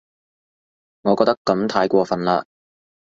我覺得噉太過份喇